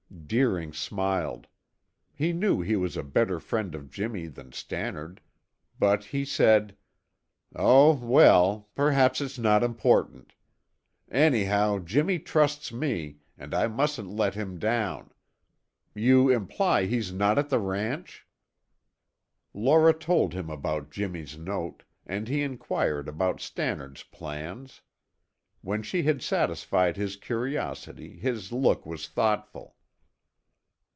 Deering smiled. He knew he was a better friend of Jimmy's than Stannard, but he said, "Oh, well; perhaps it's not important. Anyhow, Jimmy trusts me, and I mustn't let him down. You imply he's not at the ranch?" Laura told him about Jimmy's note, and he inquired about Stannard's plans. When she had satisfied his curiosity his look was thoughtful.